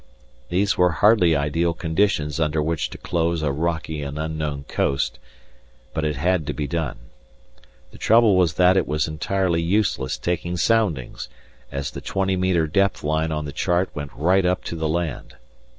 These were hardly ideal conditions under which to close a rocky and unknown coast, but it had to be done. The trouble was that it was entirely useless taking soundings, as the twenty metre depth line on the chart went right up to the land.